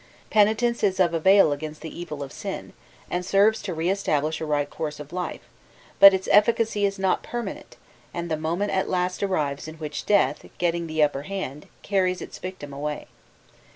Penitence is of avail against the evil of sin, and serves to re establish a right course of life, but its efficacy is not permanent, and the moment at last arrives in which death, getting the upper hand, carries its victim away.